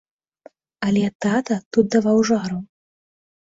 Але тата тут даваў жару.